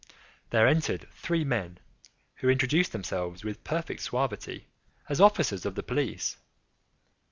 There entered three men, who introduced themselves, with perfect suavity, as officers of the police.